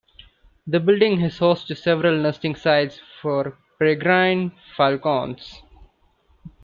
The building is host to several nesting sites for Peregrine Falcons.